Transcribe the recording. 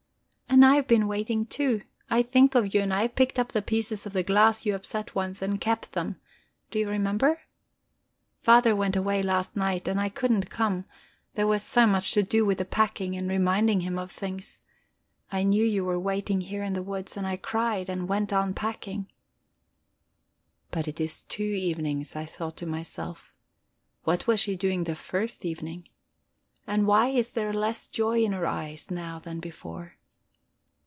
"And I have been waiting too. I think of you, and I have picked up the pieces of the glass you upset once, and kept them do you remember? Father went away last night. I could not come, there was so much to do with the packing, and reminding him of things. I knew you were waiting here in the woods, and I cried, and went on packing." But it is two evenings, I thought to myself. What was she doing the first evening? And why is there less joy in her eyes now than before?